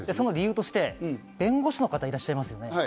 その理由として弁護士の方がいらっしゃいますね。